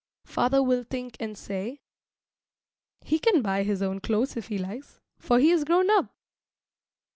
Father will think and say, "He can buy his own clothes if he likes, for he is grown up."